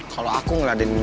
kalau aku ngeladain mobil